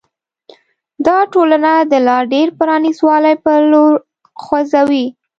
دا ټولنه د لا ډېر پرانیست والي په لور خوځوي.